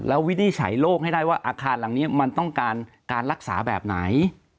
แล้ววินิจฉัยโลกให้ได้ว่าอาคารหลังนี้มันต้องการการรักษาแบบไหน